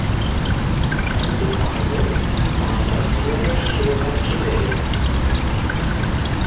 Ez dixwazim, babet were şîrove kirin